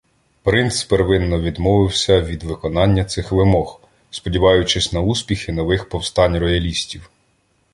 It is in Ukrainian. Принц первинно відмовився від виконання цих вимог, сподіваючись на успіхи нових повстань роялістів.